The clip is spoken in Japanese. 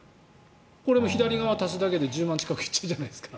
左側を足すだけで１０万近く行っちゃうじゃないですか。